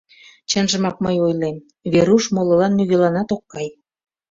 Чынжымак мый ойлем, Веруш молылан нигӧланат ок кай.